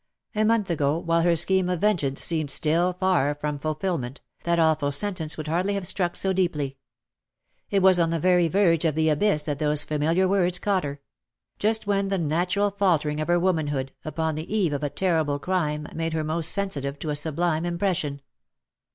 A month ago, while her scheme of vengeance seemed still far from fulfilment, that awful sentence would hardly have struck so deeply. It was on the very verge of the abyss that those familiar words caught her ; just when the natural faltering of her womanhood, upon the eve of a terrible crime, made her most sensitive to a sublime impression.